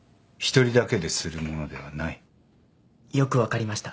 よく分かりました。